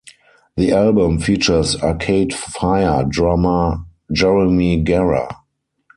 The album features Arcade Fire drummer Jeremy Gara.